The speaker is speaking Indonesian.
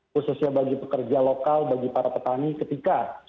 khususnya bagi pekerja lokal bagi para petani ketika